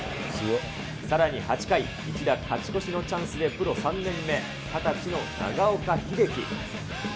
さらに８回、１打勝ち越しのチャンスでプロ３年目、２０歳の長岡秀樹。